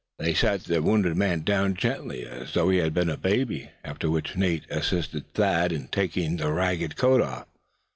They sat the wounded man down as gently as though he had been a babe; after which Nate assisted Thad to take the ragged coat off.